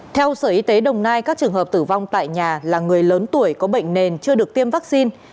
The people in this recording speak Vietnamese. theo sở y tế đồng nai các trường hợp tử vong tại nhà là người lớn tuổi có bệnh nền chưa được tiêm vaccine